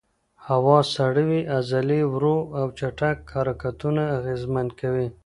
هوا سړه وي، عضلې ورو او چټک حرکتونه اغېزمن کوي.